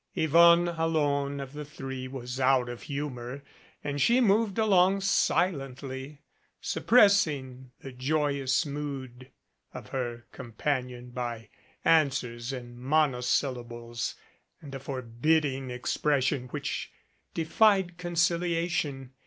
Yvonne alone of the three was out of humor and she moved along silently, suppress ing the joyous mood of her companion by answers in monosyllables and a forbidding expression which defied conciliation.